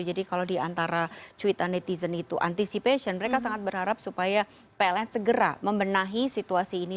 jadi kalau diantara cuitan netizen itu anticipation mereka sangat berharap supaya pln segera membenahi situasi ini